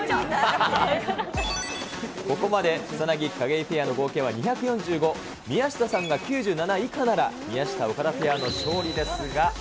ここまで草薙・景井ペアの合計は２４５、宮下さんが９７以下なら、宮下・岡田ペアの勝利ですが。